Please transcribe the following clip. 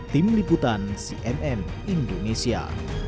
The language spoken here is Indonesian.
tim liputan cnn indonesia